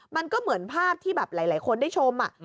มันก็เหมือนภาพที่แบบหลายคนได้ชม